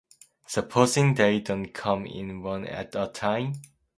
Supposing they don't come in one at a time?